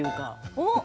おっ！